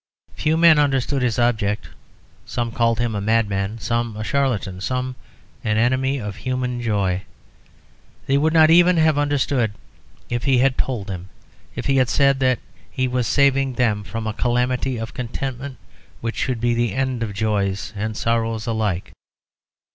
Few men understood his object; some called him a madman, some a charlatan, some an enemy of human joy. They would not even have understood if he had told them, if he had said that he was saving them from a calamity of contentment which should be the end of joys and sorrows alike.